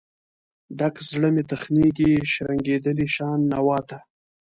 ډک زړه مې تخنیږي، شرنګیدلې شان نوا ته